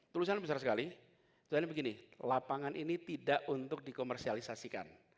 tulusan besar sekali soalnya begini lapangan ini tidak untuk dikomersialisasikan